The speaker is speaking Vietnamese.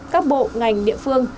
các bộ ngành địa phương